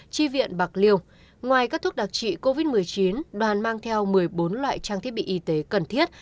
chi viện bạc liêu ngoài các thuốc đặc trị covid một mươi chín đoàn mang theo một mươi bốn loại trang thiết bị y tế cần thiết